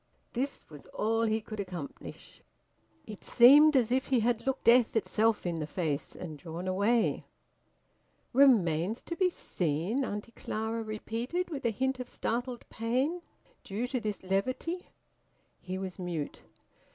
This was all he could accomplish. It seemed as if he had looked death itself in the face, and drawn away. "Remains to be seen?" Auntie Clara repeated, with a hint of startled pain, due to this levity. He was mute.